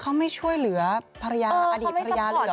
เขาไม่ช่วยเหลือภรรยาอดีตภรรยาเลยเหรอ